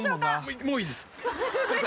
もういいです。